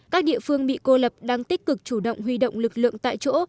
các địa phương bị cô lập đang tích cực chủ động huy động lực lượng tại chỗ